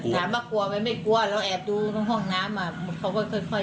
ถามมากลัวไหมไม่กลัวแล้วแอบดูในห้องน้ำอ่ะเขาก็ค่อยบอกเอาอย่างงี้